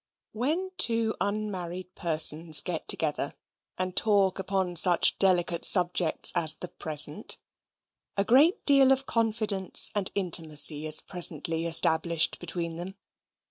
When two unmarried persons get together, and talk upon such delicate subjects as the present, a great deal of confidence and intimacy is presently established between them.